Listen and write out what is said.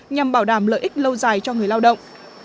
nhằm bảo đảm lợi ích lâu dài cho người lao động